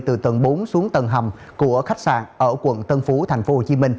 từ tầng bốn xuống tầng hầm của khách sạn ở quận tân phú tp hcm